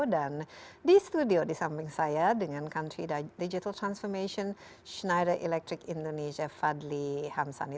dan di studio di samping saya dengan country digital transformation schneider electric indonesia fadli hamsani